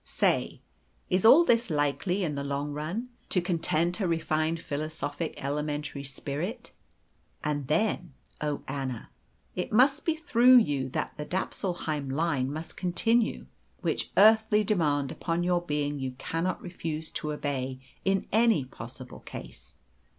Say, is all this likely, in the long run, to content a refined philosophic elementary spirit? And then, oh Anna! it must be through you that the Dapsulheim line must continue, which earthly demand upon your being you cannot refuse to obey in any possible case.